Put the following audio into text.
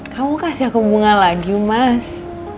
kamu kasih aku bunga lagi mas